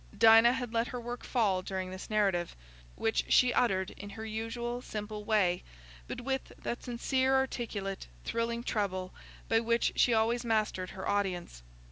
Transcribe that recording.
Dinah had let her work fall during this narrative, which she uttered in her usual simple way, but with that sincere articulate, thrilling treble by which she always mastered her audience.